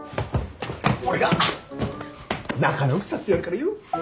俺が仲直りさせてやるからよ。